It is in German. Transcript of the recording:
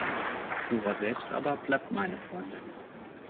Flora selbst aber bleibt meine Freundin.